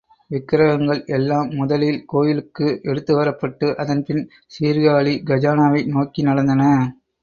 விக்ரகங்கள் எல்லாம் முதலில் கோயிலுக்கு எடுத்துவரப்பட்டு அதன்பின் சீர்காழி கஜானாவை நோக்கி நடந்தன.